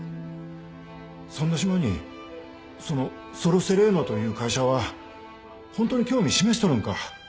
そんな島にそのソル・セレーノという会社は本当に興味示しとるんか？